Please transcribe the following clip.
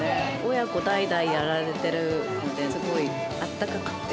親子代々やられてるので、すごいあったかくて。